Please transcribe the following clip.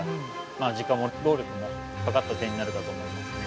時間も労力もかかった点になるかと思いますね。